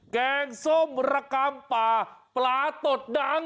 แกงส้มระกำป่าปลาตดดัง